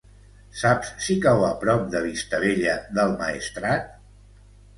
Saps si cau a prop de Vistabella del Maestrat?